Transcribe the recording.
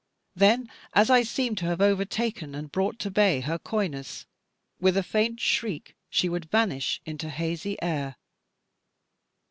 Then as I seemed to have overtaken and brought to bay her coyness, with a faint shriek she would vanish into hazy air.